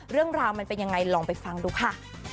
เรื่องราวมันเป็นยังไงลองไปฟังดูค่ะ